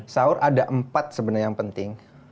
sahur ada empat sebenarnya yang penting